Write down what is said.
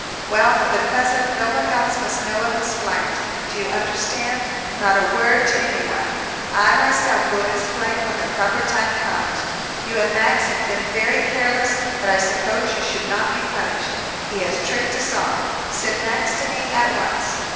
"Well, for the present, no one else must know of his flight. Do you understand? Not a word to any one. I, myself, will explain when the proper time comes. You and Max have been very careless, but I suppose you should not be punished. He has tricked us all. Send Max to me at once."